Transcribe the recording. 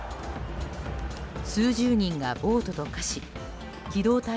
数十人が暴徒と化し機動隊